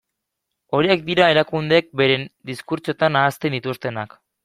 Horiek dira erakundeek beren diskurtsoetan ahazten dituztenak.